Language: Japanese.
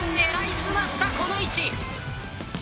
狙いすましたこの位置。